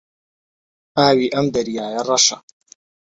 ئاوی ئەم دەریایە ڕەشە.